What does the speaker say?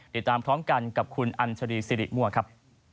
เดี๋ยวตามพร้อมกันกับคุณอันชรีสิริม่วะครับ